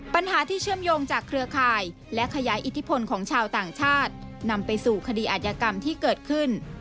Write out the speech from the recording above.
ปัญหาที่เชื่อมโยงจากเครือข่ายและขยายอิทธิพลของชาวต่างชาตินำไปสู่คดีอาจยกรรมที่เกิดขึ้น